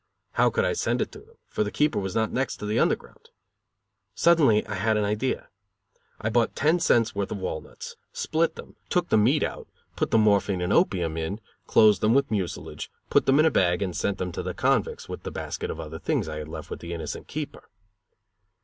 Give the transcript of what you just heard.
How could I send it to them, for the keeper was not "next" to the Underground? Suddenly I had an idea. I bought ten cents worth of walnuts, split them, took the meat out, put the morphine and opium in, closed them with mucilage, put them in a bag and sent them to the convicts with the basket of other things I had left with the innocent keeper.